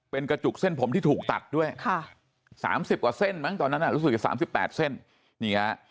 เป็นกระจุกเส้นผมที่ถูกตัดด้วย๓๐กว่าเส้นมั้งตอนนั้นรู้สึกจะ๓๘เส้นนี่ฮะ